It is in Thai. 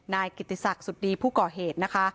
นายกิติศักดิ์สุดดีผู้ก่อเหตุนะคะ